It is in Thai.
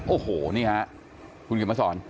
โอ้โหนี่ฮะคุณเขียนมาสอน